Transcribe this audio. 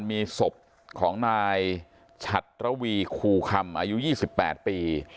มีศพของนายฉัทรวีคู่คำอายุยี่สิบแปดปี